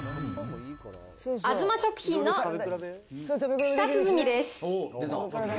あづま食品の舌鼓です。